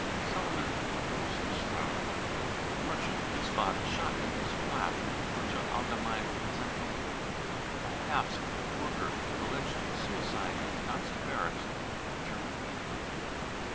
Salomon rosenstrauch, mer chant, Wiesbaden, shot in his flat. (Deutsche AUgemeine Zeitung.) Paul papst, worker, alleged suicide in Nazi barracks. (Ger~ mania).